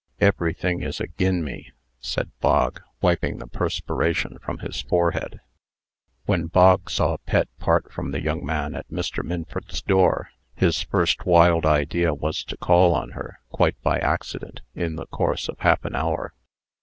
"Everything is agin' me," said Bog, wiping the perspiration from his forehead. When Bog saw Pet part from the young man at Mr. Minford's door, his first wild idea was to call on her, quite by accident, in the course of half an hour.